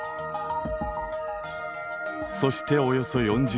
そしておよそ４０万年